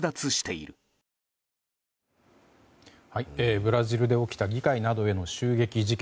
ブラジルで起きた議会などへの襲撃事件。